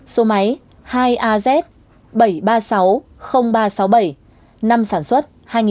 ba nghìn hai mươi ba số máy hai az bảy trăm ba mươi sáu ba trăm sáu mươi bảy năm sản xuất hai nghìn ba